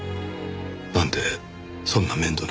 なんでそんな面倒な事を？